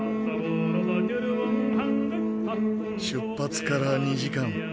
出発から２時間。